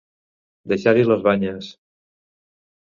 Deixar-hi les banyes.